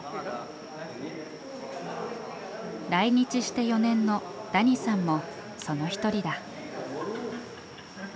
来日して４年のダニさんもその一人だ。